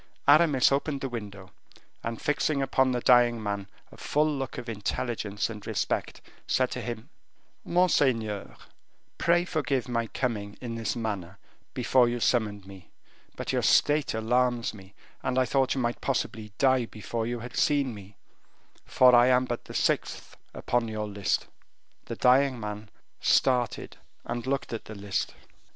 Aramis opened the window, and fixing upon the dying man a look full of intelligence and respect, said to him: "Monseigneur, pray forgive my coming in this manner, before you summoned me, but your state alarms me, and I thought you might possibly die before you had seen me, for I am but the sixth upon your list." The dying man started and looked at the list.